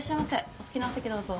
お好きなお席どうぞ。